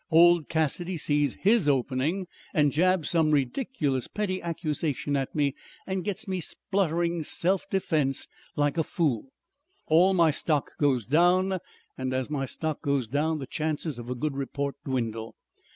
Old Cassidy sees HIS opening and jabs some ridiculous petty accusation at me and gets me spluttering self defence like a fool. All my stock goes down, and as my stock goes down the chances of a good report dwindle.